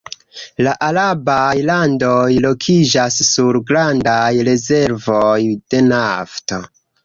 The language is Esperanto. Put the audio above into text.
La arabaj landoj lokiĝas sur grandaj rezervoj de nafto.